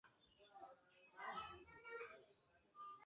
大故事中穿插了一些副线。